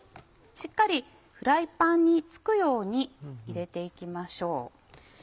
しっかりフライパンに付くように入れて行きましょう。